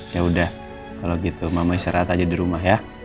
yaudah kalau gitu mama istirahat aja di rumah ya